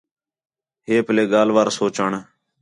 ہے پَلّے ڳالھ وار سوچݨ